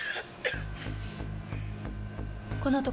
この男！